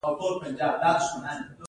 هغې وویل: فرګي، زه شرم کوم، مه ژاړه.